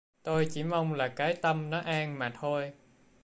Tôi chỉ mong là cái tâm nó an mà thôi